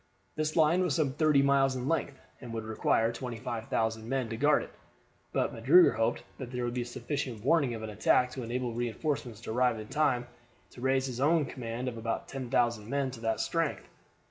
This line was some thirty miles in length, and would require 25,000 men to guard it; but Magruder hoped that there would be sufficient warning of an attack to enable reinforcements to arrive in time to raise his own command of about 10,000 men to that strength.